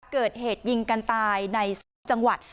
เกิดเหตุยิงกันตายในสถานการณ์จังหวัด